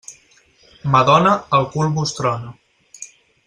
Madona, el cul vos trona.